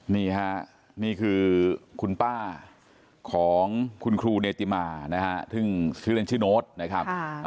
นี่ฮะนี่คือคุณป้าของคุณครูเนติมานะฮะซึ่งชื่อเล่นชื่อโน้ตนะครับ